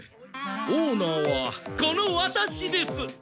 オーナーはこのワタシです！